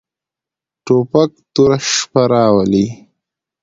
توپک توره شپه راولي.